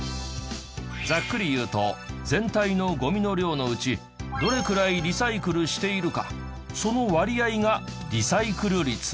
ざっくり言うと全体のゴミの量のうちどれくらいリサイクルしているかその割合がリサイクル率。